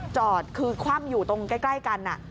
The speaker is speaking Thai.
จอดคือคว่ำอยู่ตรงใกล้กัน